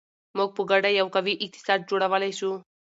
موږ په ګډه یو قوي اقتصاد جوړولی شو.